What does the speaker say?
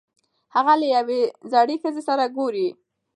هغه له یوې زړې ښځې سره ګوري.